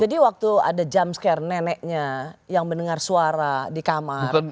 jadi waktu ada jump scare neneknya yang mendengar suara di kamar